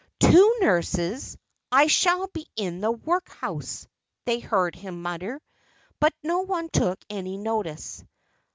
"Two nurses! I shall be in the workhouse," they heard him mutter. But no one took any notice.